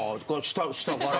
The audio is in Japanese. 下から。